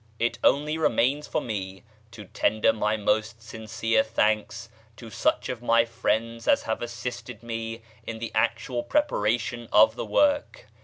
It only remains for me to tender my most sincere thanks to such of my friends as have assisted me in the actual preparation of the work.